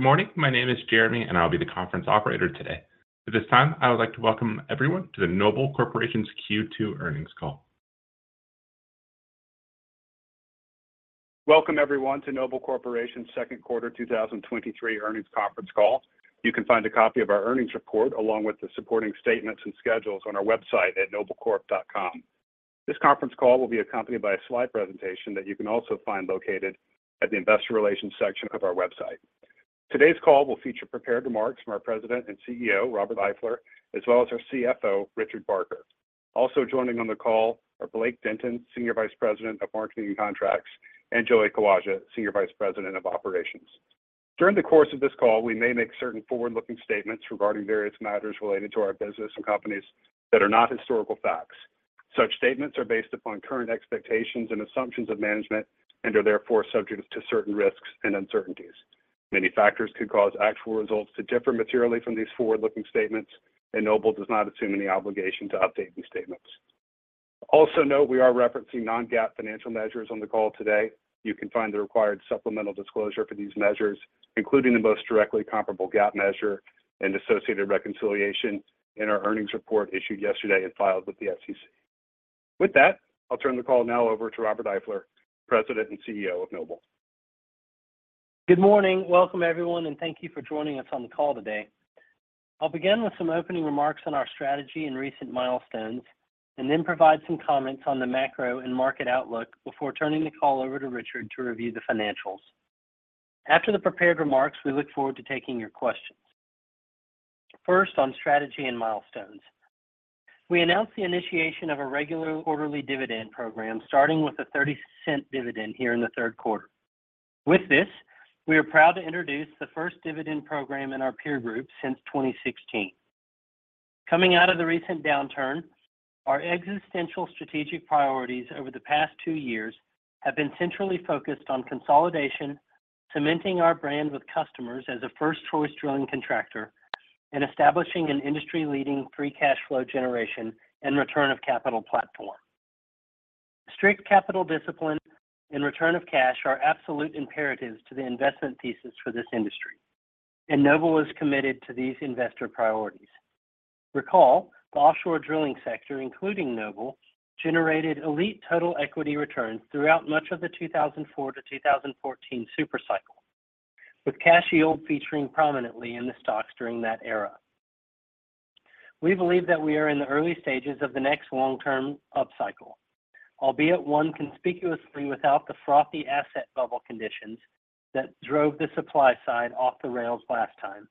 Good morning. My name is Jeremy, and I'll be the conference operator today. At this time, I would like to welcome everyone to the Noble Corporation's Q2 earnings call. Welcome everyone to Noble Corporation's second quarter 2023 earnings conference call. You can find a copy of our earnings report along with the supporting statements and schedules on our website at noblecorp.com. This conference call will be accompanied by a slide presentation that you can also find located at the Investor Relations section of our website. Today's call will feature prepared remarks from our President and CEO, Robert Eifler, as well as our CFO, Richard Barker. Also joining on the call are Blake Denton, Senior Vice President of Marketing and Contracts, and Joey Kolaja, Senior Vice President of Operations. During the course of this call, we may make certain forward-looking statements regarding various matters related to our business and companies that are not historical facts. Such statements are based upon current expectations and assumptions of management and are therefore subject to certain risks and uncertainties. Many factors could cause actual results to differ materially from these forward-looking statements, and Noble does not assume any obligation to update these statements. Also note, we are referencing non-GAAP financial measures on the call today. You can find the required supplemental disclosure for these measures, including the most directly comparable GAAP measure and associated reconciliation in our earnings report issued yesterday and filed with the SEC. With that, I'll turn the call now over to Robert Eifler, President and CEO of Noble. Good morning. Welcome, everyone, thank you for joining us on the call today. I'll begin with some opening remarks on our strategy and recent milestones, and then provide some comments on the macro and market outlook before turning the call over to Richard to review the financials. After the prepared remarks, we look forward to taking your questions. First, on strategy and milestones. We announced the initiation of a regular quarterly dividend program, starting with a $0.30 dividend here in the third quarter. With this, we are proud to introduce the first dividend program in our peer group since 2016. Coming out of the recent downturn, our existential strategic priorities over the past two years have been centrally focused on consolidation, cementing our brand with customers as a first-choice drilling contractor, and establishing an industry-leading free cash flow generation and return of capital platform. Strict capital discipline and return of cash are absolute imperatives to the investment thesis for this industry, and Noble is committed to these investor priorities. Recall, the offshore drilling sector, including Noble, generated elite total equity returns throughout much of the 2004 to 2014 super cycle, with cash yield featuring prominently in the stocks during that era. We believe that we are in the early stages of the next long-term upcycle, albeit one conspicuously without the frothy asset bubble conditions that drove the supply side off the rails last time,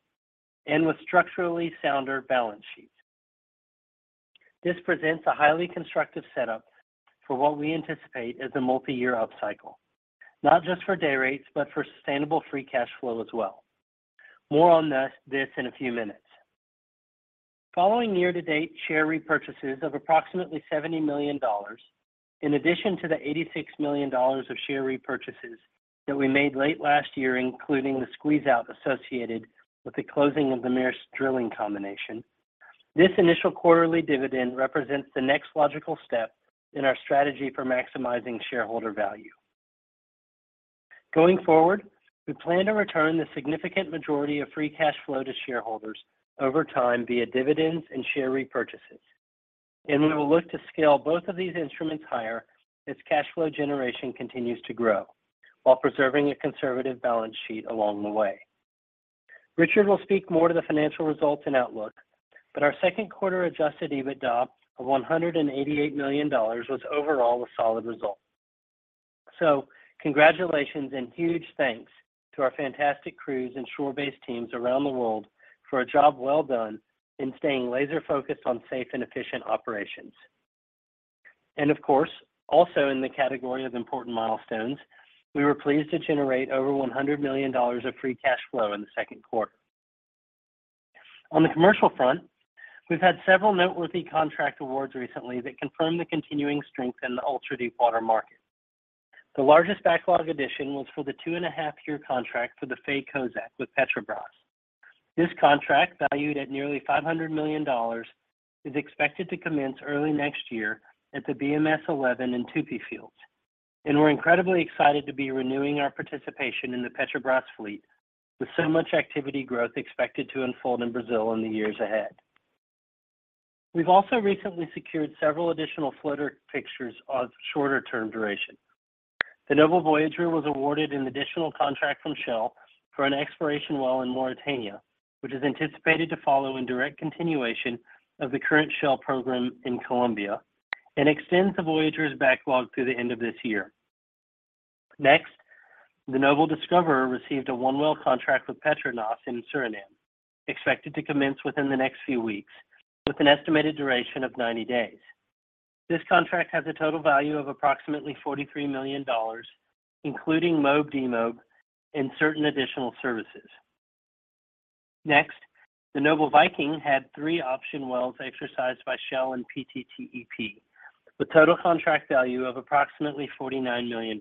and with structurally sounder balance sheets. This presents a highly constructive setup for what we anticipate is a multi-year upcycle, not just for day rates, but for sustainable free cash flow as well. More on this, this in a few minutes. Following year-to-date share repurchases of approximately $70 million, in addition to the $86 million of share repurchases that we made late last year, including the squeeze-out associated with the closing of the Maersk Drilling combination, this initial quarterly dividend represents the next logical step in our strategy for maximizing shareholder value. Going forward, we plan to return the significant majority of free cash flow to shareholders over time via dividends and share repurchases, and we will look to scale both of these instruments higher as cash flow generation continues to grow while preserving a conservative balance sheet along the way. Richard will speak more to the financial results and outlook, but our second quarter Adjusted EBITDA of $188 million was overall a solid result. Congratulations and huge thanks to our fantastic crews and shore-based teams around the world for a job well done in staying laser-focused on safe and efficient operations. Of course, also in the category of important milestones, we were pleased to generate over $100 million of free cash flow in the second quarter. On the commercial front, we've had several noteworthy contract awards recently that confirm the continuing strength in the ultra-deepwater market. The largest backlog addition was for the 2.5-year contract for the Noble Faye Kozack with Petrobras. This contract, valued at nearly $500 million, is expected to commence early next year at the BM-S-11 and Tupi fields. We're incredibly excited to be renewing our participation in the Petrobras fleet, with so much activity growth expected to unfold in Brazil in the years ahead. We've also recently secured several additional floater fixtures of shorter-term duration. The Noble Voyager was awarded an additional contract from Shell for an exploration well in Mauritania, which is anticipated to follow in direct continuation of the current Shell program in Colombia and extends the Voyager's backlog through the end of this year. The Noble Discoverer received a one-well contract with PETRONAS in Suriname, expected to commence within the next few weeks, with an estimated duration of 90 days. This contract has a total value of approximately $43 million, including mob/demob and certain additional services. The Noble Viking had three option wells exercised by Shell and PTTEP, with total contract value of approximately $49 million,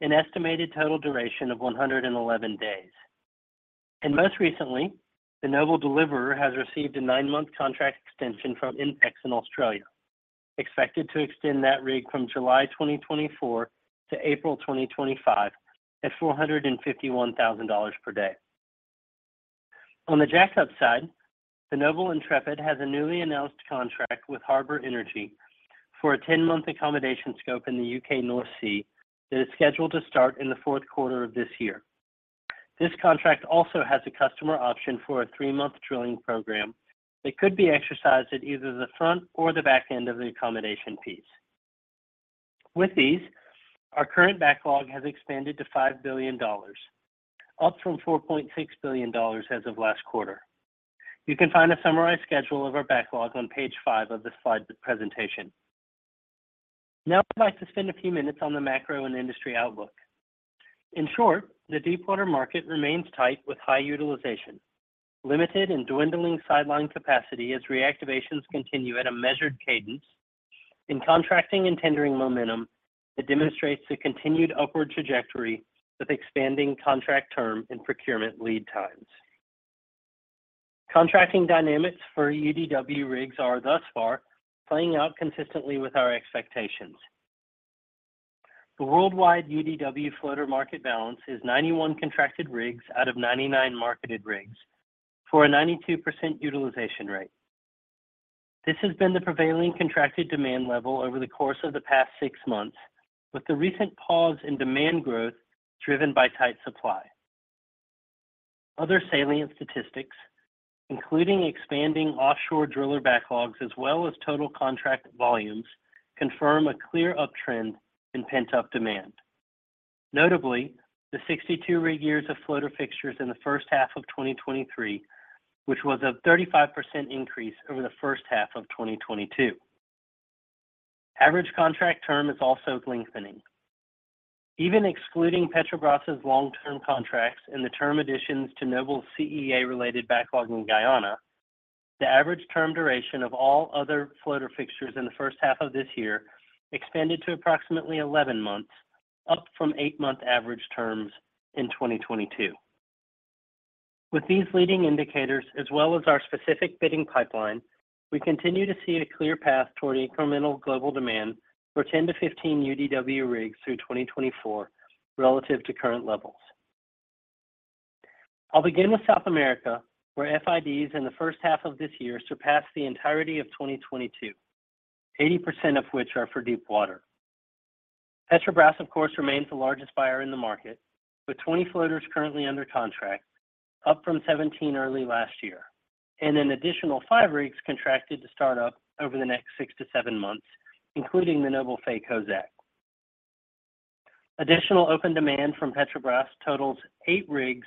an estimated total duration of 111 days. Most recently, the Noble Deliverer has received a nine-month contract extension from INPEX in Australia. expected to extend that rig from July 2024 to April 2025 at $451,000 per day. On the jackup side, the Noble Intrepid has a newly announced contract with Harbor Energy for a 10-month accommodation scope in the UK North Sea that is scheduled to start in the fourth quarter of this year. This contract also has a customer option for a three-month drilling program that could be exercised at either the front or the back end of the accommodation piece. With these, our current backlog has expanded to $5 billion, up from $4.6 billion as of last quarter. You can find a summarized schedule of our backlog on page five of the slide presentation. Now, I'd like to spend a few minutes on the macro and industry outlook. In short, the deepwater market remains tight with high utilization, limited and dwindling sideline capacity as reactivations continue at a measured cadence. In contracting and tendering momentum, it demonstrates the continued upward trajectory with expanding contract term and procurement lead times. Contracting dynamics for UDW rigs are thus far, playing out consistently with our expectations. The worldwide UDW floater market balance is 91 contracted rigs out of 99 marketed rigs, for a 92% utilization rate. This has been the prevailing contracted demand level over the course of the past six months, with the recent pause in demand growth driven by tight supply. Other salient statistics, including expanding offshore driller backlogs as well as total contract volumes, confirm a clear uptrend in pent-up demand. Notably, the 62 rig years of floater fixtures in the first half of 2023, which was a 35% increase over the first half of 2022. Average contract term is also lengthening. Even excluding Petrobras's long-term contracts and the term additions to Noble's CEA-related backlog in Guyana, the average term duration of all other floater fixtures in the first half of this year expanded to approximately 11 months, up from 8-month average terms in 2022. With these leading indicators, as well as our specific bidding pipeline, we continue to see a clear path toward incremental global demand for 10-15 UDW rigs through 2024 relative to current levels. I'll begin with South America, where FIDs in the first half of this year surpassed the entirety of 2022, 80% of which are for deepwater. Petrobras, of course, remains the largest buyer in the market, with 20 floaters currently under contract, up from 17 early last year, and an additional 5 rigs contracted to start up over the next 6-7 months, including the Noble Faye Kozack. Additional open demand from Petrobras totals 8 rigs,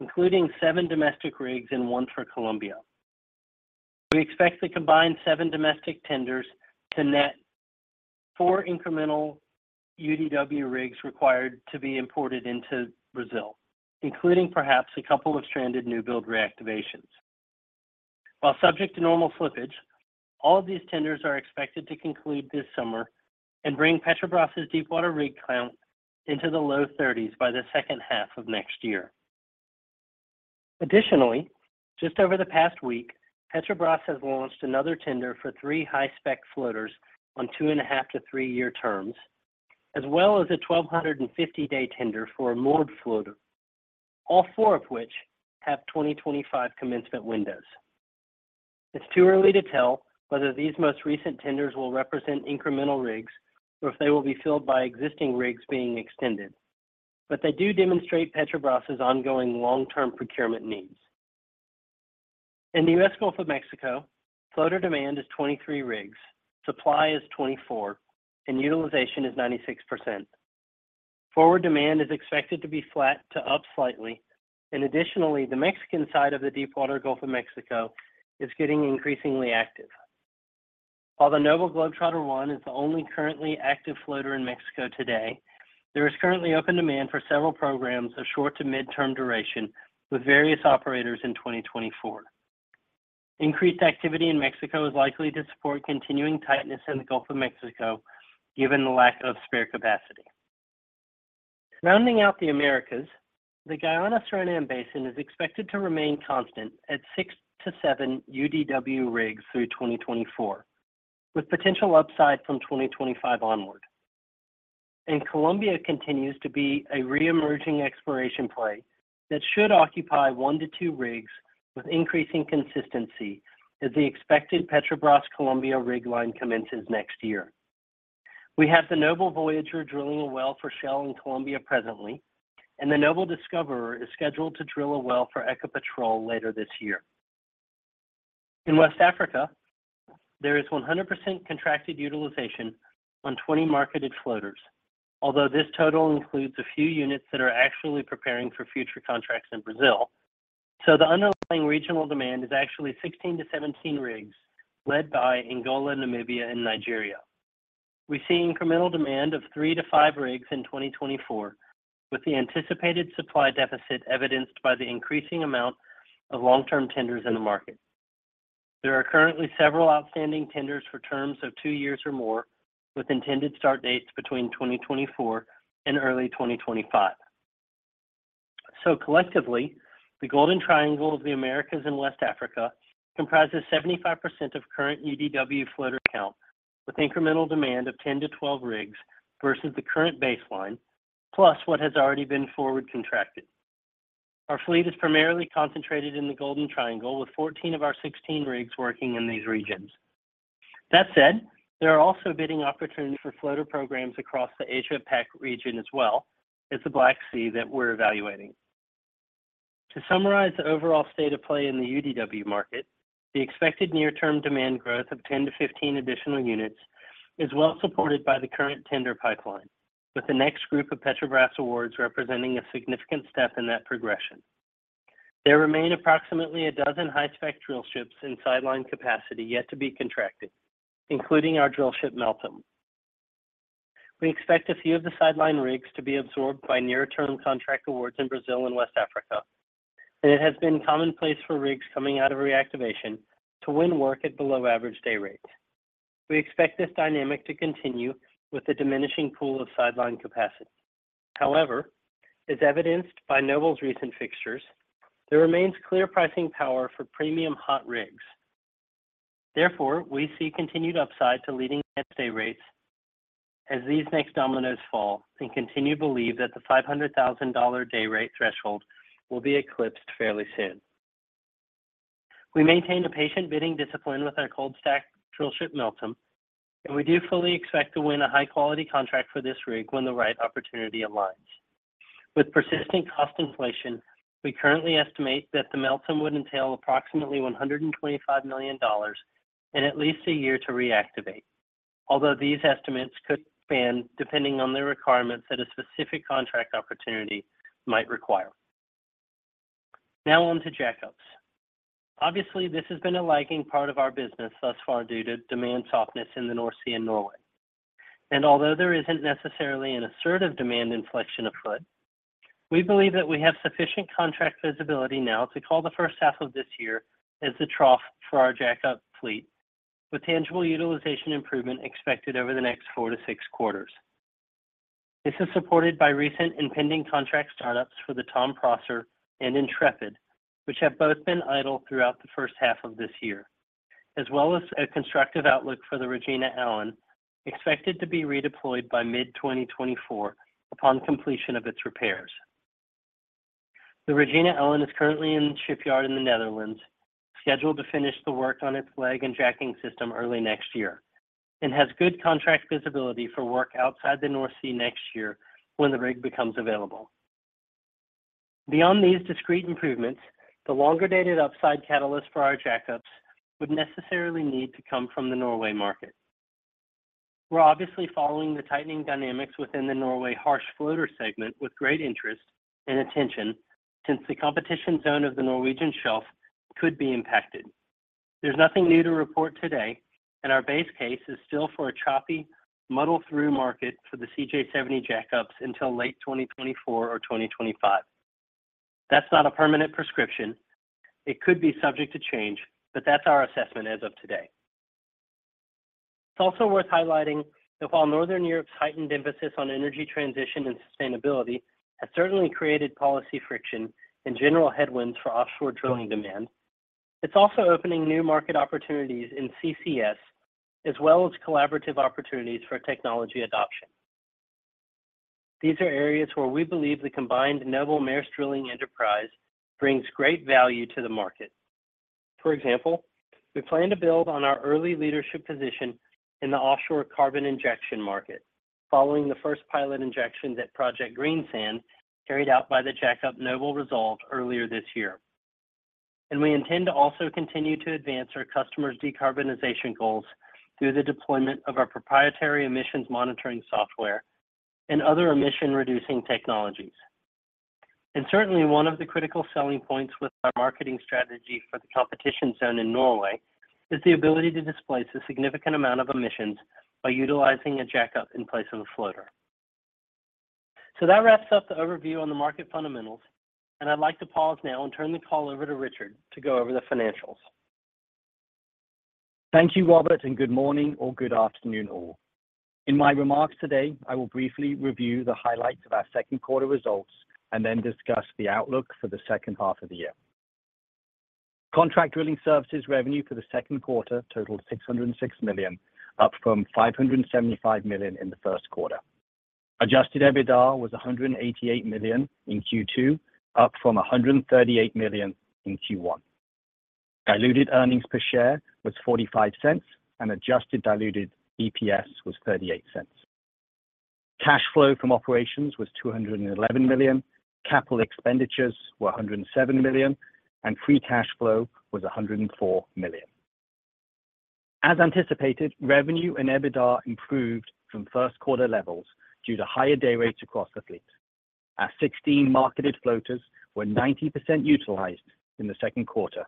including 7 domestic rigs and 1 for Colombia. We expect the combined 7 domestic tenders to net 4 incremental UDW rigs required to be imported into Brazil, including perhaps a couple of stranded new build reactivations. While subject to normal slippage, all of these tenders are expected to conclude this summer and bring Petrobras's deepwater rig count into the low 30s by the second half of next year. Additionally, just over the past week, Petrobras has launched another tender for three high-spec floaters on 2.5-3 year terms, as well as a 1,250-day tender for a moored floater, all four of which have 2025 commencement windows. It's too early to tell whether these most recent tenders will represent incremental rigs or if they will be filled by existing rigs being extended, but they do demonstrate Petrobras's ongoing long-term procurement needs. In the US Gulf of Mexico, floater demand is 23 rigs, supply is 24, and utilization is 96%. Forward demand is expected to be flat to up slightly. Additionally, the Mexican side of the deepwater Gulf of Mexico is getting increasingly active. While the Noble Globetrotter I is the only currently active floater in Mexico today, there is currently open demand for several programs of short to mid-term duration with various operators in 2024. Increased activity in Mexico is likely to support continuing tightness in the Gulf of Mexico, given the lack of spare capacity. Rounding out the Americas, the Guyana-Suriname Basin is expected to remain constant at six to seven UDW rigs through 2024, with potential upside from 2025 onward. Colombia continues to be a reemerging exploration play that should occupy one to two rigs with increasing consistency as the expected Petrobras Colombia rig line commences next year. We have the Noble Voyager drilling a well for Shell in Colombia presently, and the Noble Discoverer is scheduled to drill a well for Ecopetrol later this year. In West Africa, there is 100% contracted utilization on 20 marketed floaters, although this total includes a few units that are actually preparing for future contracts in Brazil. The underlying regional demand is actually 16-17 rigs, led by Angola, Namibia, and Nigeria. We see incremental demand of 3-5 rigs in 2024, with the anticipated supply deficit evidenced by the increasing amount of long-term tenders in the market. There are currently several outstanding tenders for terms of 2 years or more, with intended start dates between 2024 and early 2025. Collectively, the Golden Triangle of the Americas and West Africa comprises 75% of current UDW floater count, with incremental demand of 10-12 rigs versus the current baseline, plus what has already been forward contracted. Our fleet is primarily concentrated in the Golden Triangle, with 14 of our 16 rigs working in these regions. That said, there are also bidding opportunities for floater programs across the Asia-Pac region, as well as the Black Sea that we're evaluating. To summarize the overall state of play in the UDW market, the expected near-term demand growth of 10-15 additional units is well supported by the current tender pipeline, with the next group of Petrobras awards representing a significant step in that progression. There remain approximately 12 high-spec drill ships in sideline capacity yet to be contracted, including our drillship, Milton. We expect a few of the sideline rigs to be absorbed by near-term contract awards in Brazil and West Africa, and it has been commonplace for rigs coming out of reactivation to win work at below-average day rates. We expect this dynamic to continue with the diminishing pool of sideline capacity. However, as evidenced by Noble's recent fixtures, there remains clear pricing power for premium hot rigs. Therefore, we see continued upside to leading net day rates as these next dominoes fall and continue to believe that the $500,000 day rate threshold will be eclipsed fairly soon. We maintain a patient bidding discipline with our cold stack drillship, Milton, and we do fully expect to win a high-quality contract for this rig when the right opportunity aligns. With persistent cost inflation, we currently estimate that the Milton would entail approximately $125 million and at least a year to reactivate, although these estimates could expand depending on the requirements that a specific contract opportunity might require. Now on to jackups. Obviously, this has been a lagging part of our business thus far due to demand softness in the North Sea and Norway. Although there isn't necessarily an assertive demand inflection afoot, we believe that we have sufficient contract visibility now to call the first half of this year as the trough for our jackup fleet, with tangible utilization improvement expected over the next 4-6 quarters. This is supported by recent impending contract startups for the Tom Prosser and Noble Intrepid, which have both been idle throughout the first half of this year, as well as a constructive outlook for the Regina Allen, expected to be redeployed by mid-2024 upon completion of its repairs. The Regina Allen is currently in the shipyard in the Netherlands, scheduled to finish the work on its leg and jacking system early next year, and has good contract visibility for work outside the North Sea next year when the rig becomes available. Beyond these discrete improvements, the longer-dated upside catalyst for our jackups would necessarily need to come from the Norway market. We're obviously following the tightening dynamics within the Norway harsh floater segment with great interest and attention, since the competition zone of the Norwegian Shelf could be impacted. There's nothing new to report today, and our base case is still for a choppy muddle-through market for the CJ70 jackups until late 2024 or 2025. That's not a permanent prescription. It could be subject to change, but that's our assessment as of today. It's also worth highlighting that while Northern Europe's heightened emphasis on energy transition and sustainability has certainly created policy friction and general headwinds for offshore drilling demand, it's also opening new market opportunities in CCS, as well as collaborative opportunities for technology adoption. These are areas where we believe the combined Noble Maersk Drilling enterprise brings great value to the market. For example, we plan to build on our early leadership position in the offshore carbon injection market, following the first pilot injections at Project Greensand, carried out by the jackup Noble Resolve earlier this year. We intend to also continue to advance our customers' decarbonization goals through the deployment of our proprietary emissions monitoring software and other emission-reducing technologies. Certainly, one of the critical selling points with our marketing strategy for the competition zone in Norway is the ability to displace a significant amount of emissions by utilizing a jackup in place of a floater. That wraps up the overview on the market fundamentals, and I'd like to pause now and turn the call over to Richard to go over the financials. Thank you, Robert, good morning or good afternoon, all. In my remarks today, I will briefly review the highlights of our second quarter results and then discuss the outlook for the second half of the year. Contract drilling services revenue for the second quarter totaled $606 million, up from $575 million in the first quarter. Adjusted EBITDA was $188 million in Q2, up from $138 million in Q1. Diluted earnings per share was $0.45, adjusted diluted EPS was $0.38. Cash flow from operations was $211 million, capital expenditures were $107 million, free cash flow was $104 million. As anticipated, revenue and EBITDA improved from first quarter levels due to higher day rates across the fleet. Our 16 marketed floaters were 90% utilized in the second quarter,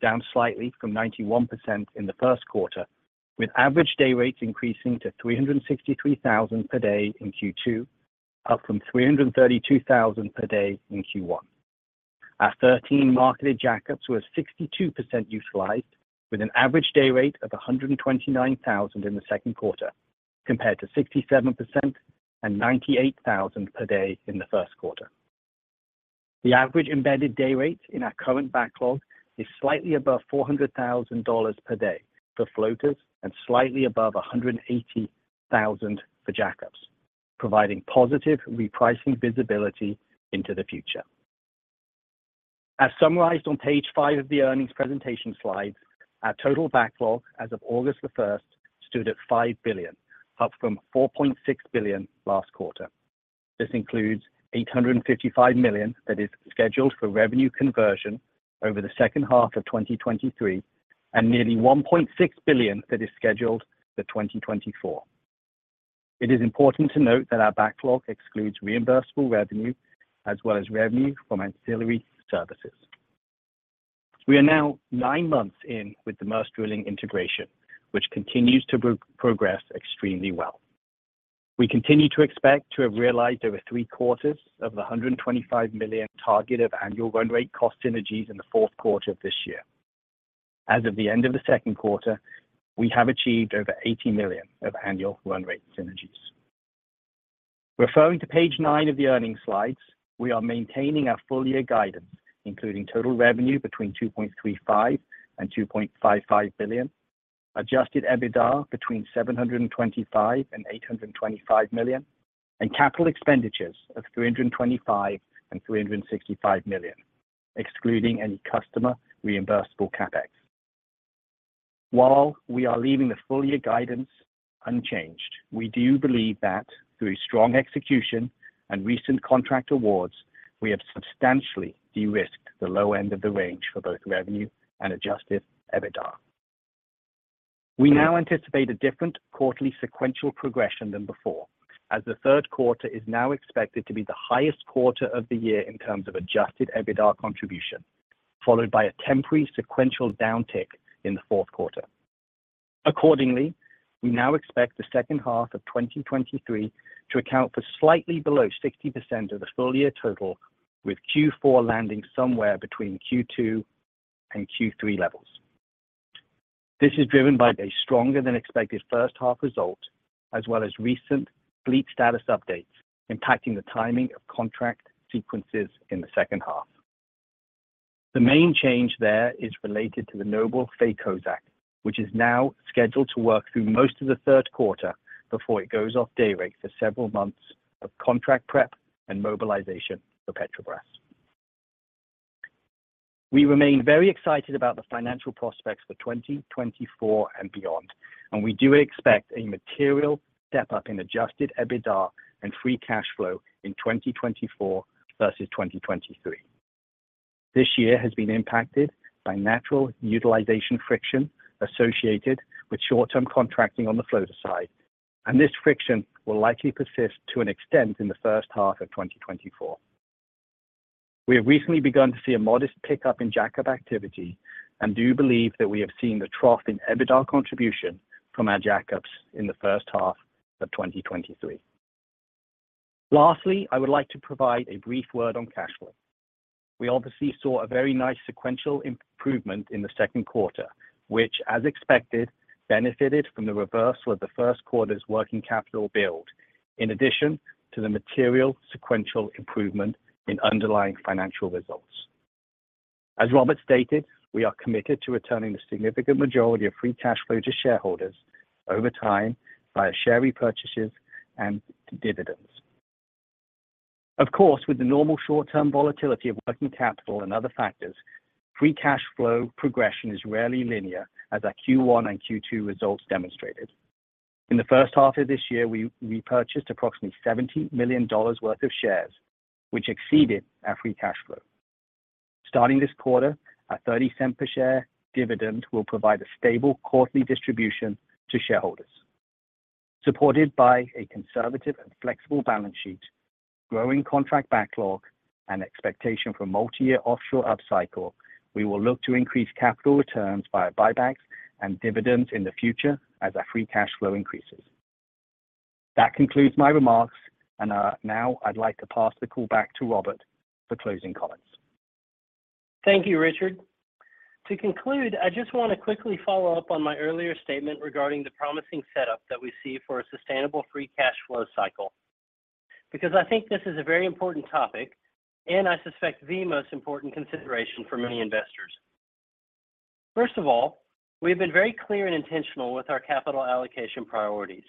down slightly from 91% in the first quarter, with average day rates increasing to $363,000 per day in Q2, up from $332,000 per day in Q1. Our 13 marketed jackups were 62% utilized, with an average day rate of $129,000 in the second quarter, compared to 67% and $98,000 per day in the first quarter. The average embedded day rates in our current backlog is slightly above $400,000 per day for floaters and slightly above $180,000 for jackups, providing positive repricing visibility into the future. As summarized on page 5 of the earnings presentation slides, our total backlog as of August 1st, stood at $5 billion, up from $4.6 billion last quarter. This includes $855 million that is scheduled for revenue conversion over the second half of 2023, and nearly $1.6 billion that is scheduled for 2024. It is important to note that our backlog excludes reimbursable revenue as well as revenue from ancillary services. We are now nine months in with the Maersk Drilling integration, which continues to progress extremely well. We continue to expect to have realized over three quarters of the $125 million target of annual run rate cost synergies in the fourth quarter of this year. As of the end of the second quarter, we have achieved over $80 million of annual run rate synergies. Referring to page 9 of the earnings slides, we are maintaining our full-year guidance, including total revenue between $2.35 billion-$2.55 billion, Adjusted EBITDA between $725 million-$825 million, and capital expenditures of $325 million-$365 million, excluding any customer reimbursable CapEx. While we are leaving the full-year guidance unchanged, we do believe that through strong execution and recent contract awards, we have substantially de-risked the low end of the range for both revenue and Adjusted EBITDA. We now anticipate a different quarterly sequential progression than before, as the third quarter is now expected to be the highest quarter of the year in terms of Adjusted EBITDA contribution, followed by a temporary sequential downtick in the fourth quarter. Accordingly, we now expect the second half of 2023 to account for slightly below 60% of the full year total, with Q4 landing somewhere between Q2 and Q3 levels. This is driven by a stronger than expected first half result, as well as recent fleet status updates, impacting the timing of contract sequences in the second half. The main change there is related to the Noble Faye Kozack, which is now scheduled to work through most of the third quarter before it goes off day rate for several months of contract prep and mobilization for Petrobras. We remain very excited about the financial prospects for 2024 and beyond. We do expect a material step up in Adjusted EBITDA and free cash flow in 2024 versus 2023. This year has been impacted by natural utilization friction associated with short-term contracting on the floater side, and this friction will likely persist to an extent in the first half of 2024. We have recently begun to see a modest pickup in jackup activity, and do believe that we have seen the trough in EBITDA contribution from our jackups in the first half of 2023. Lastly, I would like to provide a brief word on cash flow. We obviously saw a very nice sequential improvement in the second quarter, which, as expected, benefited from the reversal of the first quarter's working capital build, in addition to the material sequential improvement in underlying financial results. As Robert stated, we are committed to returning the significant majority of free cash flow to shareholders over time via share repurchases and dividends. Of course, with the normal short-term volatility of working capital and other factors, free cash flow progression is rarely linear, as our Q1 and Q2 results demonstrated. In the first half of this year, we purchased approximately $70 million worth of shares, which exceeded our free cash flow. Starting this quarter, our $0.30 per share dividend will provide a stable quarterly distribution to shareholders. Supported by a conservative and flexible balance sheet, growing contract backlog, and expectation for multi-year offshore upcycle, we will look to increase capital returns via buybacks and dividends in the future as our free cash flow increases. That concludes my remarks, and now I'd like to pass the call back to Robert for closing comments. Thank you, Richard. To conclude, I just want to quickly follow up on my earlier statement regarding the promising setup that we see for a sustainable free cash flow cycle, because I think this is a very important topic and I suspect the most important consideration for many investors. First of all, we've been very clear and intentional with our capital allocation priorities.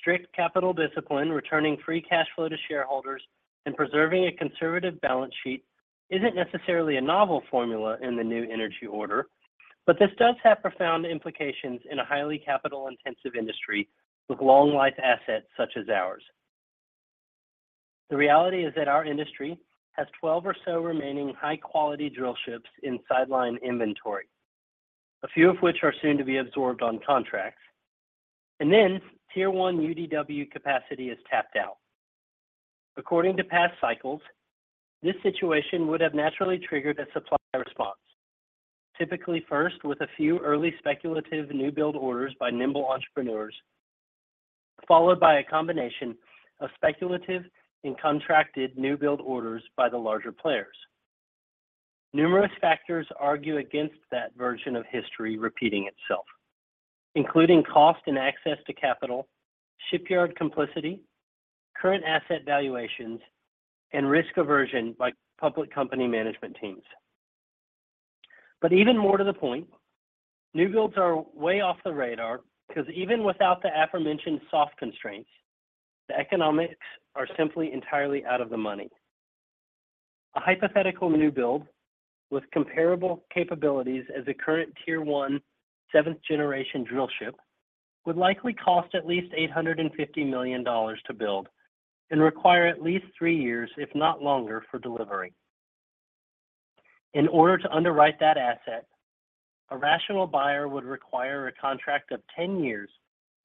Strict capital discipline, returning free cash flow to shareholders, and preserving a conservative balance sheet isn't necessarily a novel formula in the new energy order, but this does have profound implications in a highly capital-intensive industry with long-life assets such as ours. The reality is that our industry has 12 or so remaining high-quality drill ships in sideline inventory, a few of which are soon to be absorbed on contracts, and then tier one UDW capacity is tapped out. According to past cycles, this situation would have naturally triggered a supply response. Typically, first, with a few early speculative new build orders by nimble entrepreneurs. Followed by a combination of speculative and contracted new build orders by the larger players. Numerous factors argue against that version of history repeating itself, including cost and access to capital, shipyard complicity, current asset valuations, and risk aversion by public company management teams. Even more to the point, new builds are way off the radar, because even without the aforementioned soft constraints, the economics are simply entirely out of the money. A hypothetical new build with comparable capabilities as a current Tier One, 7th-generation drillship, would likely cost at least $850 million to build and require at least three years, if not longer, for delivery. In order to underwrite that asset, a rational buyer would require a contract of 10 years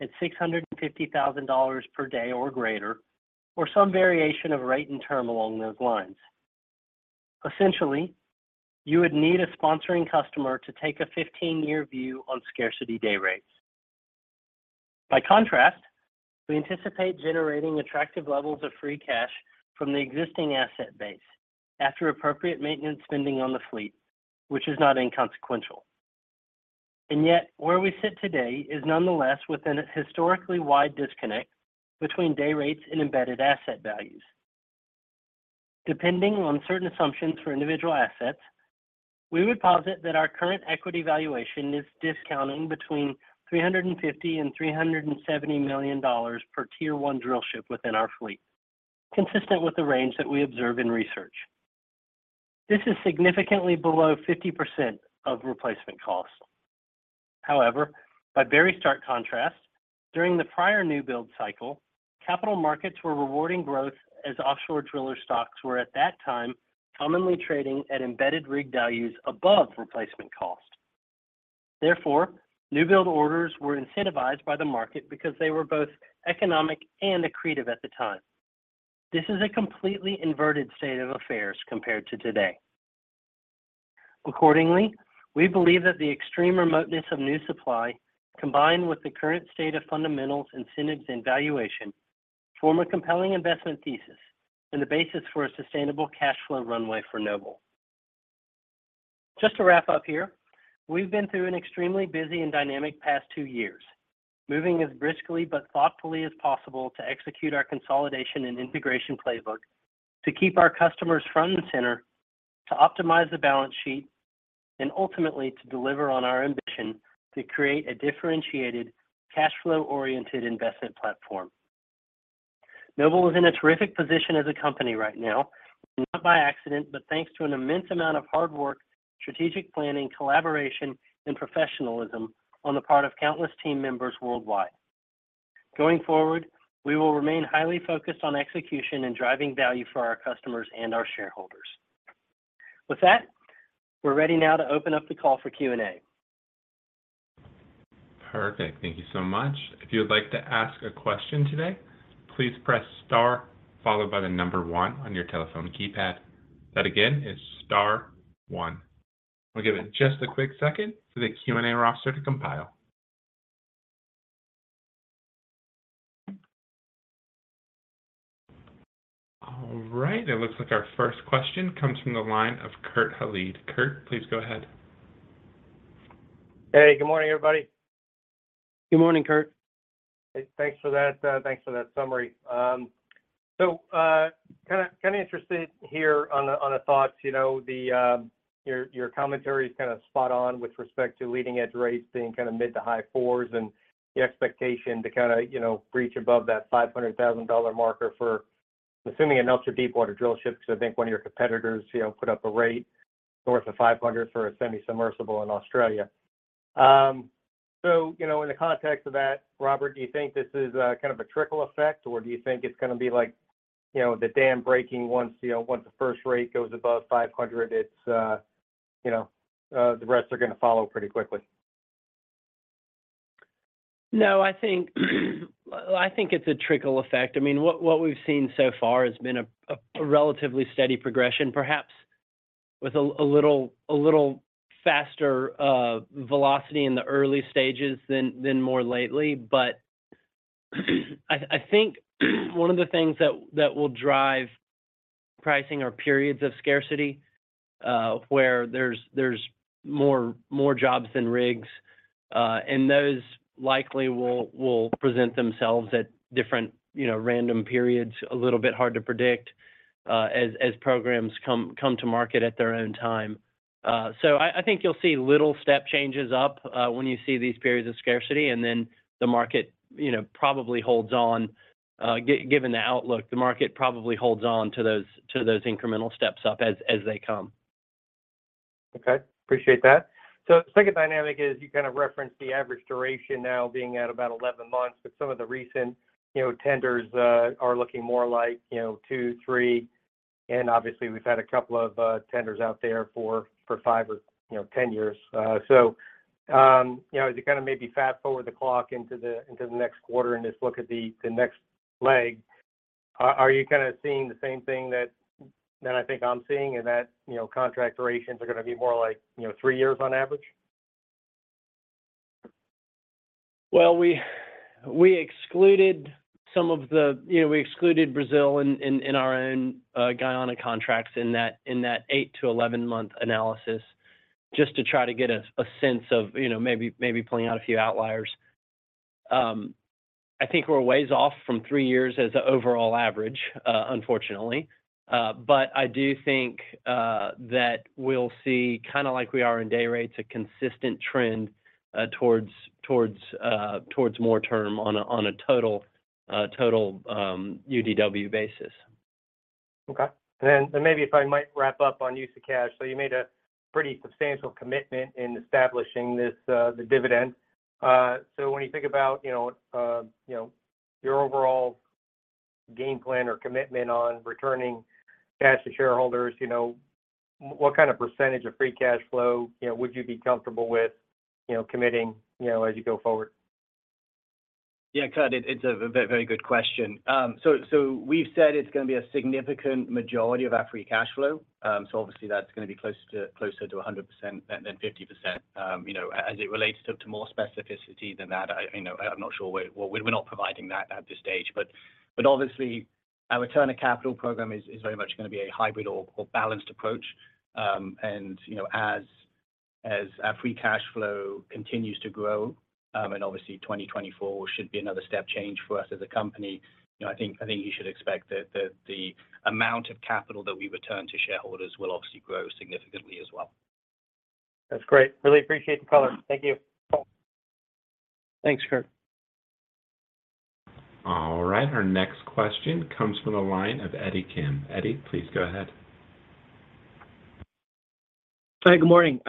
at $650,000 per day or greater, or some variation of rate and term along those lines. Essentially, you would need a sponsoring customer to take a 15-year view on scarcity day rates. By contrast, we anticipate generating attractive levels of free cash from the existing asset base after appropriate maintenance spending on the fleet, which is not inconsequential. Yet, where we sit today is nonetheless within a historically wide disconnect between day rates and embedded asset values. Depending on certain assumptions for individual assets, we would posit that our current equity valuation is discounting between $350 million and $370 million per Tier 1 drillship within our fleet, consistent with the range that we observe in research. This is significantly below 50% of replacement costs. By very stark contrast, during the prior new build cycle, capital markets were rewarding growth as offshore driller stocks were, at that time, commonly trading at embedded rig values above replacement cost. New build orders were incentivized by the market because they were both economic and accretive at the time. This is a completely inverted state of affairs compared to today. We believe that the extreme remoteness of new supply, combined with the current state of fundamentals, incentives, and valuation, form a compelling investment thesis and the basis for a sustainable cash flow runway for Noble. Just to wrap up here, we've been through an extremely busy and dynamic past two years, moving as briskly but thoughtfully as possible to execute our consolidation and integration playbook, to keep our customers front and center, to optimize the balance sheet, and ultimately, to deliver on our ambition to create a differentiated, cash flow-oriented investment platform. Noble is in a terrific position as a company right now, not by accident, but thanks to an immense amount of hard work, strategic planning, collaboration, and professionalism on the part of countless team members worldwide. Going forward, we will remain highly focused on execution and driving value for our customers and our shareholders. With that, we're ready now to open up the call for Q&A. Perfect. Thank you so much. If you would like to ask a question today, please press star followed by the number one on your telephone keypad. That again is star one. We'll give it just a quick second for the Q&A roster to compile. All right, it looks like our first question comes from the line of Kurt Hallead. Kurt, please go ahead. Hey, good morning, everybody. Good morning, Kurt. Thanks for that, thanks for that summary. So, kinda, kinda interested here on the, on the thoughts, you know, the, your, your commentary is kinda spot on with respect to leading-edge rates being kinda mid-to-high 4s and the expectation to kinda, you know, reach above that $500,000 marker for assuming an ultra-deepwater drillship. Because I think one of your competitors, you know, put up a rate north of $500,000 for a semi-submersible in Australia. So, you know, in the context of that, Robert, do you think this is, kind of a trickle effect, or do you think it's gonna be like, you know, the dam breaking once, you know, once the first rate goes above $500,000, it's, you know, the rest are gonna follow pretty quickly? No, I think, I think it's a trickle effect. I mean, what, what we've seen so far has been a, a, a relatively steady progression, perhaps with a, a little, a little faster, velocity in the early stages than, than more lately. I, I think, one of the things that, that will drive pricing are periods of scarcity, where there's, there's more, more jobs than rigs. And those likely will, will present themselves at different, you know, random periods, a little bit hard to predict, as, as programs come, come to market at their own time. So I, I think you'll see little step changes up, when you see these periods of scarcity, and then the market, you know, probably holds on. Given the outlook, the market probably holds on to those, to those incremental steps up as, as they come. Okay, appreciate that. The second dynamic is you kinda referenced the average duration now being at about 11 months, but some of the recent, you know, tenders are looking more like, you know, two, three, and obviously we've had a couple of tenders out there for, for five or, you know, 10 years. You know, as you kinda maybe fast-forward the clock into the, into the next quarter and just look at the, the next leg-. Are you kind of seeing the same thing that, that I think I'm seeing in that, you know, contract durations are gonna be more like, you know, three years on average? Well, we, we excluded some of the, you know, we excluded Brazil in, in, in our own, Guyana contracts in that, in that 8-11 month analysis, just to try to get a, a sense of, you know, maybe, maybe pulling out a few outliers. I think we're ways off from 3 years as the overall average, unfortunately. I do think that we'll see, kind of like we are in day rates, a consistent trend towards, towards, towards more term on a, on a total, total, UDW basis. Okay. Then, and maybe if I might wrap up on use of cash. You made a pretty substantial commitment in establishing this, the dividend. When you think about, you know, your overall game plan or commitment on returning cash to shareholders, you know, what kind of percentage of free cash flow, you know, would you be comfortable with, you know, committing, you know, as you go forward? Yeah, Kurt, it, it's a very, very good question. We've said it's gonna be a significant majority of our free cash flow. Obviously that's gonna be closer to, closer to 100% than, than 50%. You know, as it relates to, to more specificity than that, I, you know, I'm not sure where. We're not providing that at this stage. Obviously, our return on capital program is, is very much gonna be a hybrid or, or balanced approach. You know, as, as our free cash flow continues to grow, and obviously 2024 should be another step change for us as a company, you know, I think, I think you should expect that the, the amount of capital that we return to shareholders will obviously grow significantly as well. That's great. Really appreciate the color. Thank you. Thanks, Kurt. All right, our next question comes from the line of Eddie Kim. Eddie, please go ahead. Hi, good morning.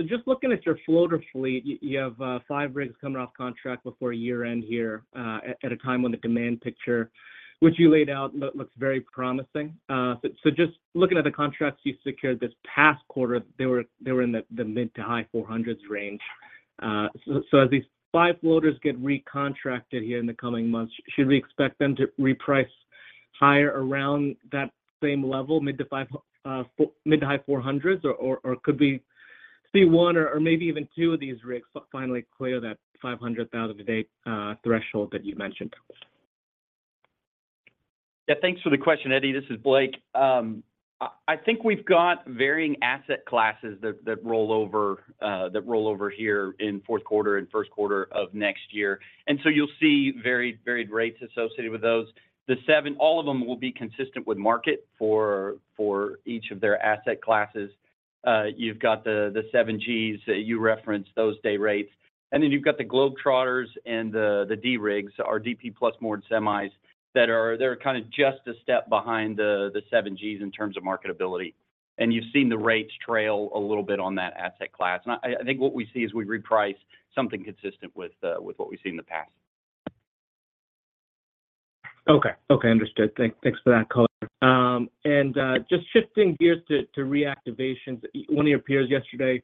Just looking at your floater fleet, you, you have 5 rigs coming off contract before year-end here, at a time when the demand picture, which you laid out, looks very promising. Just looking at the contracts you secured this past quarter, they were, they were in the mid to high $400s range. As these 5 floaters get recontracted here in the coming months, should we expect them to reprice higher around that same level, mid to $500s, mid to high $400s, or, or, or could we see one or, or maybe even two of these rigs finally clear that $500,000 a day threshold that you mentioned? Yeah, thanks for the question, Eddie. This is Blake. I, I think we've got varying asset classes that, that roll over, that roll over here in fourth quarter and first quarter of next year. So you'll see varied, varied rates associated with those. All of them will be consistent with market for, for each of their asset classes. You've got the, the 7 Gs that you referenced, those day rates, and then you've got the Globetrotters and the, the D rigs, our DP plus moored semis, they're kind of just a step behind the, the 7 Gs in terms of marketability. I, I think what we see is we reprice something consistent with, with what we've seen in the past. Okay. Okay, understood. Thanks for that color. Just shifting gears to, to reactivations. One of your peers yesterday,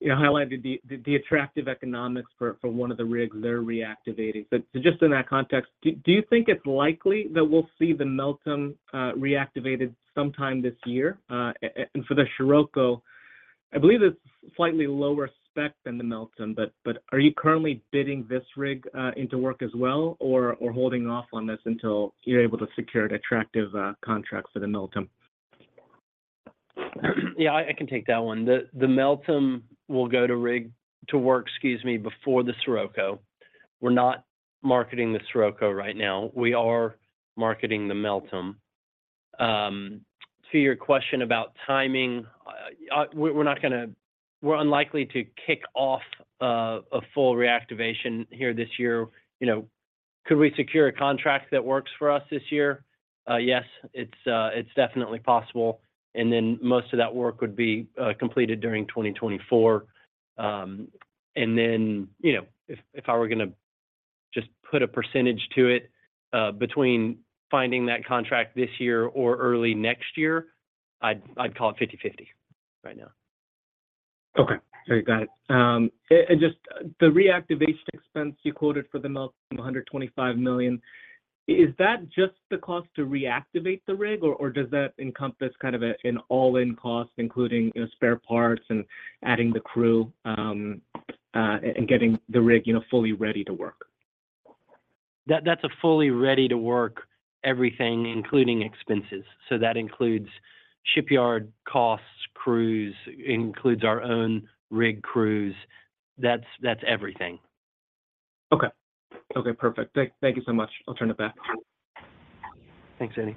you know, highlighted the attractive economics for one of the rigs they're reactivating. Just in that context, do you think it's likely that we'll see the Meltem reactivated sometime this year? For the Scirocco, I believe it's slightly lower spec than the Meltem, but are you currently bidding this rig into work as well, or holding off on this until you're able to secure attractive contracts for the Meltem? Yeah, I, I can take that one. The Meltem will go to work, excuse me, before the Scirocco. We're not marketing the Scirocco right now. We are marketing the Meltem. To your question about timing, we're, we're not gonna... We're unlikely to kick off a full reactivation here this year. You know, could we secure a contract that works for us this year? Yes, it's, it's definitely possible, and then most of that work would be completed during 2024. You know, if, if I were gonna just put a percentage to it, between finding that contract this year or early next year, I'd, I'd call it 50/50 right now. Okay. Very good. Just the reactivation expense you quoted for the Meltem, $125 million, is that just the cost to reactivate the rig, or does that encompass kind of a, an all-in cost, including, you know, spare parts and adding the crew, and getting the rig, you know, fully ready to work? That's a fully ready-to-work everything, including expenses. That includes shipyard costs, crews, includes our own rig crews. That's everything. Okay. Okay, perfect. Thank, thank you so much. I'll turn it back. Thanks, Eddie.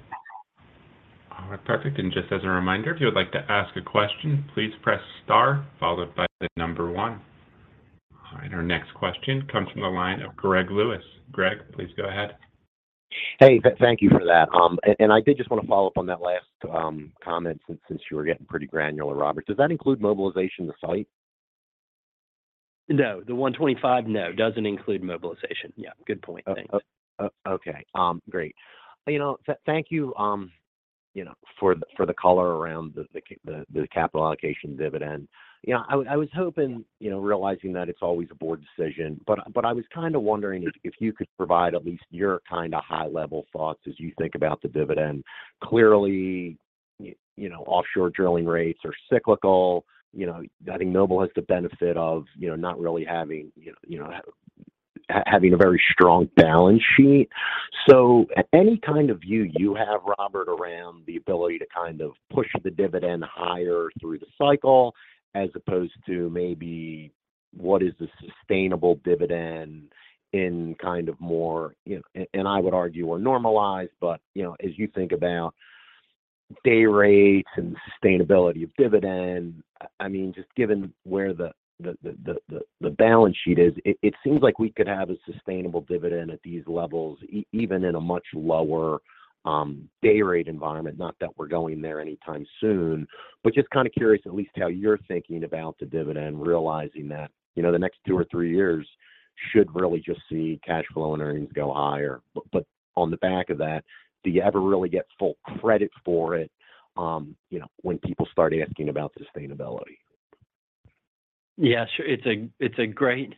Perfect, just as a reminder, if you would like to ask a question, please press star followed by the number one. Our next question comes from the line of Greg Lewis. Greg, please go ahead. Hey, thank you for that. And I did just want to follow up on that last comment since, since you were getting pretty granular, Robert. Does that include mobilization to site? No. The $125, no, doesn't include mobilization. Yeah, good point. Thank you. Okay. Great. You know, thank you. you know, for the, for the color around the capital allocation dividend. You know, I, I was hoping, you know, realizing that it's always a board decision, but, but I was kind of wondering if, if you could provide at least your kind of high-level thoughts as you think about the dividend. Clearly, you know, offshore drilling rates are cyclical. You know, I think Noble has the benefit of, you know, not really having, you know, having a very strong balance sheet. Any kind of view you have, Robert, around the ability to kind of push the dividend higher through the cycle, as opposed to maybe what is the sustainable dividend in kind of more, you know, and, and I would argue or normalize, but, you know, as you think about day rates and sustainability of dividend, I mean, just given where the balance sheet is, it seems like we could have a sustainable dividend at these levels even in a much lower day rate environment. Not that we're going there anytime soon, but just kind of curious at least how you're thinking about the dividend, realizing that, you know, the next two or three years should really just see cash flow and earnings go higher. But on the back of that, do you ever really get full credit for it, you know, when people start asking about sustainability? Yeah, sure. It's a great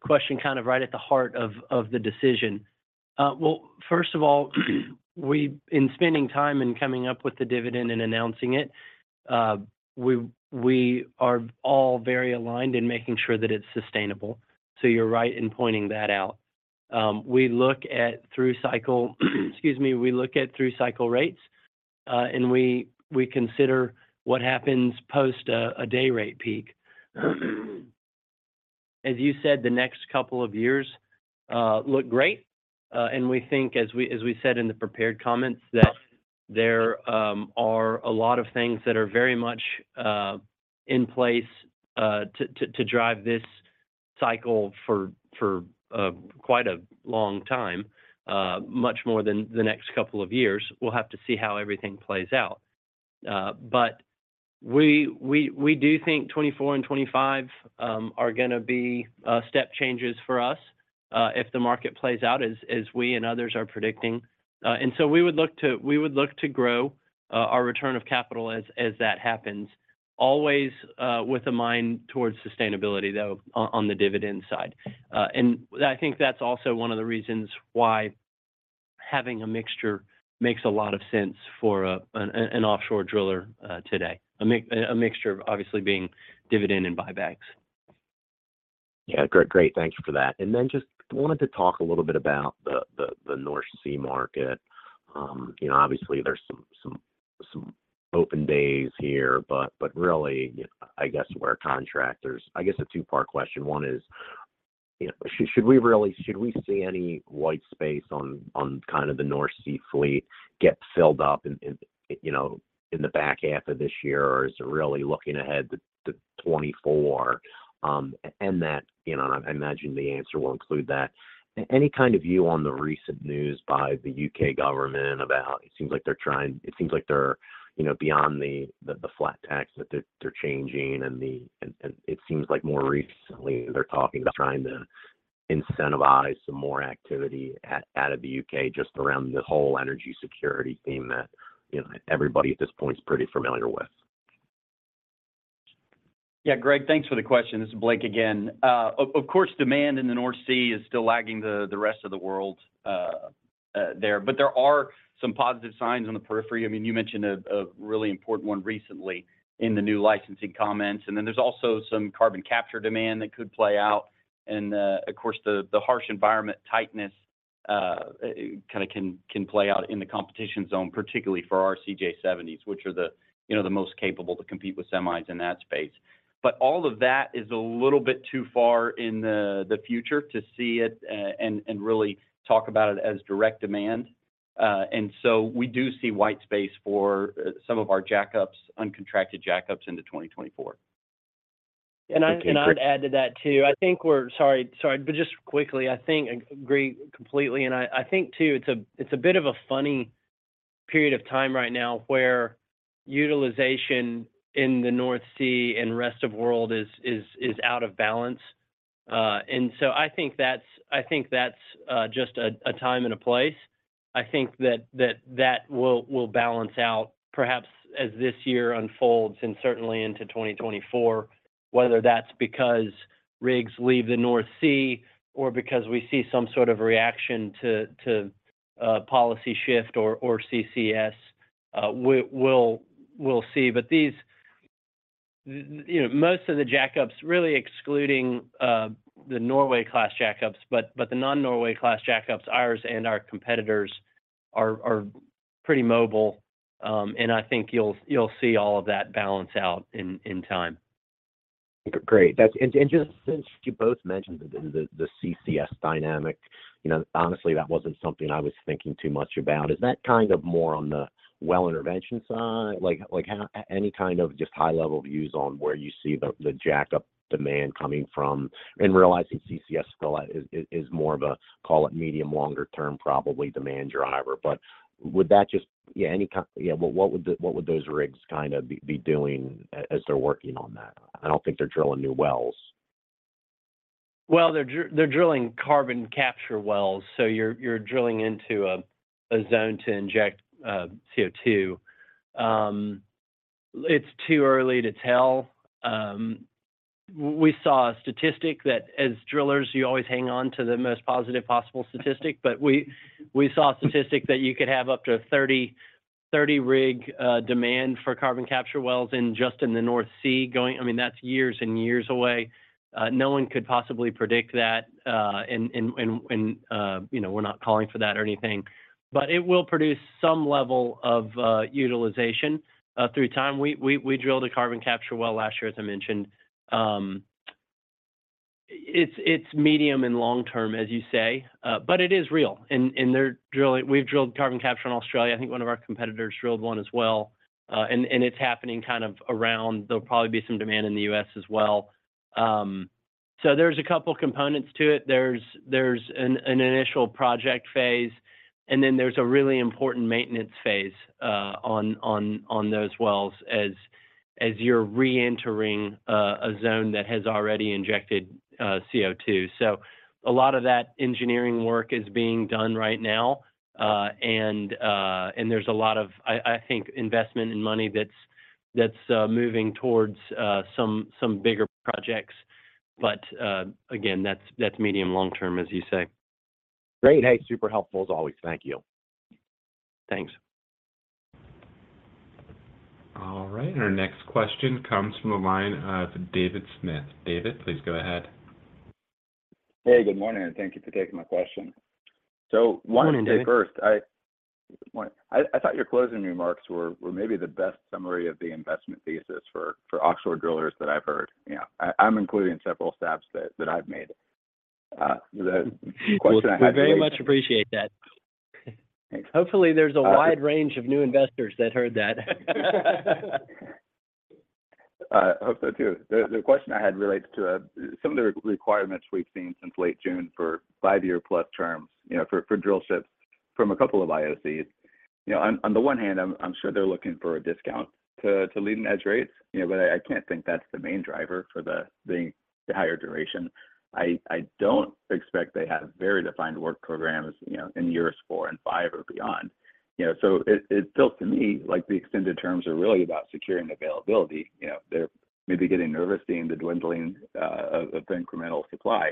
question, kind of right at the heart of the decision. Well, first of all, in spending time and coming up with the dividend and announcing it, we are all very aligned in making sure that it's sustainable. You're right in pointing that out. We look at through cycle, excuse me, we look at through-cycle rates, and we consider what happens post a day rate peak. As you said, the next couple of years look great, and we think, as we said in the prepared comments, that there are a lot of things that are very much in place to drive this cycle for quite a long time, much more than the next couple of years. We'll have to see how everything plays out. We, we, we do think 2024 and 2025 are gonna be step changes for us if the market plays out as, as we and others are predicting. We would look to, we would look to grow our return of capital as, as that happens. Always with a mind towards sustainability, though, on the dividend side. I think that's also one of the reasons why having a mixture makes a lot of sense for an offshore driller today. A mixture of obviously being dividend and buybacks. Yeah. Great, great. Thank you for that. Then just wanted to talk a little bit about the, the, the North Sea market. You know, obviously, there's some open days here, but, but really, I guess where contractors. I guess a two-part question. One is, you know, should we see any white space on, on kind of the North Sea fleet get filled up in, in, you know, in the back half of this year? Is it really looking ahead to, to 2024? That, you know, and I imagine the answer will include that. Any kind of view on the recent news by the UK government about. It seems like they're It seems like they're, you know, beyond the, the, the flat tax, that they're, they're changing and, and it seems like more recently, they're talking about trying to incentivize some more activity out, out of the U.K., just around the whole energy security theme that, you know, everybody at this point is pretty familiar with. Yeah, Greg, thanks for the question. This is Blake again. Of course, demand in the North Sea is still lagging the rest of the world, there, but there are some positive signs on the periphery. I mean, you mentioned a, a really important one recently in the new licensing comments, and then there's also some carbon capture demand that could play out. Of course, the harsh environment tightness, kind of can, can play out in the competition zone, particularly for our CJ70s, which are the, you know, the most capable to compete with semis in that space. All of that is a little bit too far in the, the future to see it and really talk about it as direct demand. So we do see white space for some of our jackups, uncontracted jackups into 2024. I, and I'd add to that too. I think we're Sorry, sorry, but just quickly, I think I agree completely, and I, I think too, it's a bit of a funny period of time right now, where utilization in the North Sea and rest of world is, is, is out of balance. I think that's, I think that's just a time and a place. I think that, that, that will, will balance out perhaps as this year unfolds and certainly into 2024, whether that's because rigs leave the North Sea or because we see some sort of reaction to, to policy shift or, or CCS. We'll, we'll see. These, you know, most of the jackups, really excluding the Norway-class jackups, but the non-Norway class jackups, ours and our competitors, are pretty mobile, and I think you'll see all of that balance out in time. Great. That's. Just since you both mentioned the CCS dynamic, you know, honestly, that wasn't something I was thinking too much about. Is that kind of more on the well intervention side? Like, how? Any kind of just high-level views on where you see the jackup demand coming from? Realizing CCS still is more of a, call it, medium, longer term, probably demand driver. Would that just, any kind, what would those rigs kind of be doing as they're working on that? I don't think they're drilling new wells.... Well, they're drilling carbon capture wells, so you're drilling into a zone to inject CO2. It's too early to tell. We saw a statistic that as drillers, you always hang on to the most positive possible statistic, but we saw a statistic that you could have up to 30, 30 rig demand for carbon capture wells in just in the North Sea going, I mean, that's years and years away. No one could possibly predict that. And, you know, we're not calling for that or anything, but it will produce some level of utilization through time. We drilled a carbon capture well last year, as I mentioned. It's, it's medium and long term, as you say, but it is real, and we've drilled carbon capture in Australia. I think one of our competitors drilled one as well. It's happening kind of around. There'll probably be some demand in the U.S. as well. There's a couple components to it. There's an initial project phase, and then there's a really important maintenance phase on those wells as you're reentering a zone that has already injected CO2. A lot of that engineering work is being done right now. There's a lot of, I think, investment and money that's moving towards some bigger projects. Again, that's medium, long term, as you say. Great. Hey, super helpful as always. Thank you. Thanks. All right, our next question comes from the line of David Smith. David, please go ahead. Hey, good morning, and thank you for taking my question. Good morning, David. First, good morning. I thought your closing remarks were maybe the best summary of the investment thesis for offshore drillers that I've heard. You know, I'm including several steps that I've made. The question I had- We very much appreciate that. Thanks. Hopefully, there's a wide range of new investors that heard that. I hope so, too. The question I had relates to some of the requirements we've seen since late June for 5-year-plus terms, you know, for drillships from a couple of IOCs. You know, on the one hand, I'm sure they're looking for a discount to leading-edge rates, you know, I can't think that's the main driver for the higher duration. I don't expect they have very defined work programs, you know, in years 4 and 5 or beyond, you know? It feels to me like the extended terms are really about securing availability. You know, they're maybe getting nervous seeing the dwindling of the incremental supply.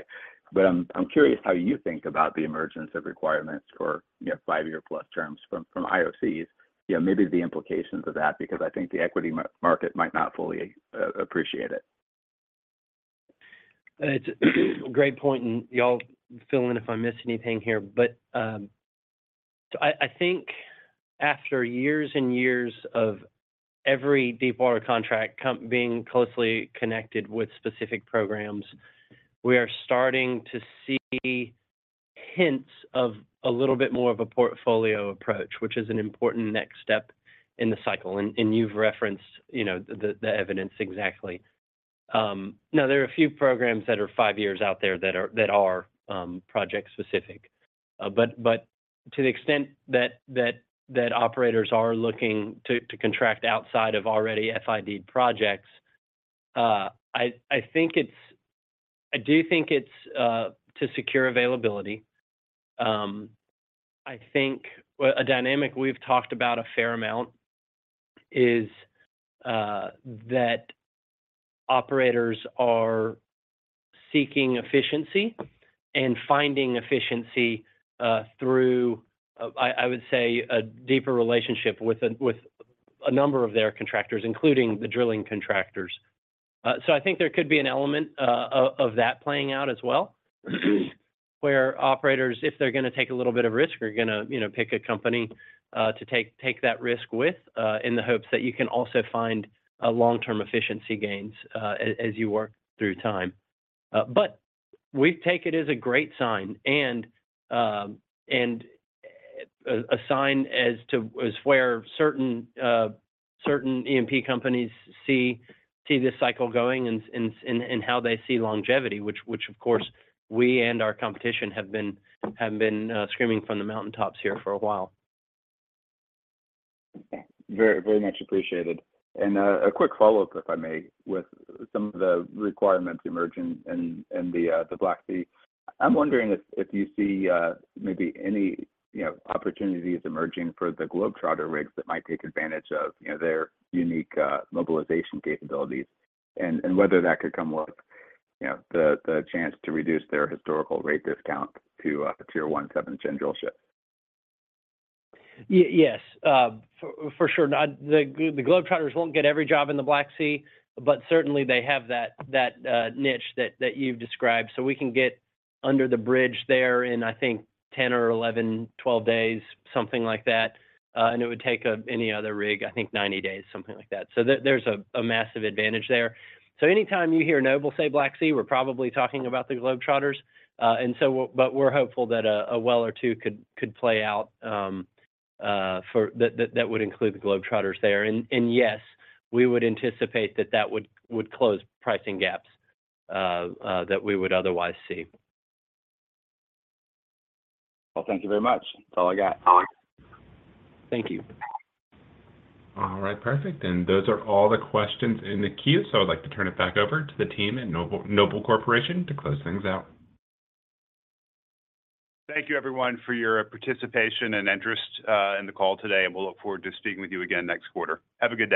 I'm curious how you think about the emergence of requirements for, you know, 5-year-plus terms from IOCs. You know, maybe the implications of that because I think the equity market might not fully appreciate it. It's a great point, y'all fill in if I miss anything here. I, I think after years and years of every deepwater contract being closely connected with specific programs, we are starting to see hints of a little bit more of a portfolio approach, which is an important next step in the cycle, and, and you've referenced, you know, the, the evidence exactly. Now, there are a few programs that are five years out there that are, that are project-specific. But to the extent that operators are looking to, to contract outside of already FID projects, I, I think I do think it's to secure availability. I think, well, a dynamic we've talked about a fair amount is that operators are seeking efficiency and finding efficiency through, I, I would say, a deeper relationship with a, with a number of their contractors, including the drilling contractors. I think there could be an element of that playing out as well, where operators, if they're gonna take a little bit of risk, are gonna, you know, pick a company to take, take that risk with in the hopes that you can also find long-term efficiency gains as, as you work through time. We take it as a great sign and, and a sign as to... as where certain, certain E&P companies see this cycle going and how they see longevity, which, of course, we and our competition have been screaming from the mountaintops here for a while. Very, very much appreciated. A quick follow-up, if I may, with some of the requirements emerging in the Black Sea. I'm wondering if, if you see, maybe any, you know, opportunities emerging for the Globetrotter rigs that might take advantage of, you know, their unique mobilization capabilities and whether that could come with, you know, the chance to reduce their historical rate discount to a Tier 1 7th-gen drillship. Yes, for sure. Not, the Globetrotters won't get every job in the Black Sea, but certainly they have that niche that you've described. We can get under the bridge there in, I think, 10 or 11, 12 days, something like that, and it would take any other rig, I think, 90 days, something like that. There's a massive advantage there. Anytime you hear Noble say, "Black Sea," we're probably talking about the Globetrotters, and so, but we're hopeful that a well or two could play out for... that would include the Globetrotters there. Yes, we would anticipate that that would close pricing gaps that we would otherwise see. Well, thank you very much. That's all I got. Thank you. All right, perfect. Those are all the questions in the queue, so I'd like to turn it back over to the team at Noble, Noble Corporation to close things out. Thank you, everyone, for your participation and interest, in the call today. We'll look forward to speaking with you again next quarter. Have a good day.